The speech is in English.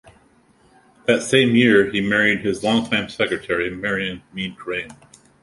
That same year he married his longtime secretary, Marion Mead Crain.